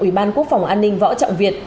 ủy ban quốc phòng an ninh võ trọng việt